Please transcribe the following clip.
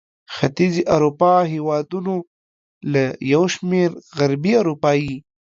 ختیځې اروپا هېوادونه له یو شمېر غربي اروپايي